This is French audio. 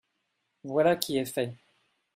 Voilà qui est fait.